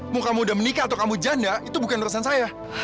mau kamu udah meninggal atau kamu janda itu bukan urusan saya